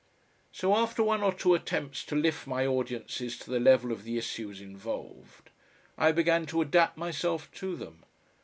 So after one or two attempts to lift my audiences to the level of the issues involved, I began to adapt myself to them.